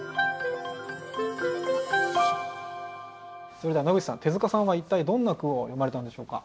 それでは野口さん手塚さんは一体どんな句を詠まれたんでしょうか？